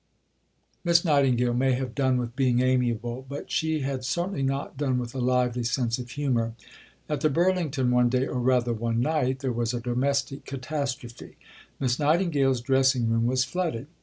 Miss Nightingale may have "done with being amiable"; but she had certainly not done with a lively sense of humour. At the Burlington one day, or rather one night, there was a domestic catastrophe. Miss Nightingale's dressing room was flooded.